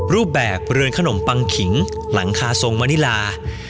รูปแบบเรือนขนมปังขิงหลังคาทรงมณิลา